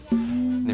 ねえ